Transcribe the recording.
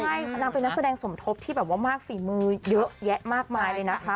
ใช่พ่อนางเป็นนักแสดงสมทบที่มากฝีมือเยอะแยะมากมายเลยนะ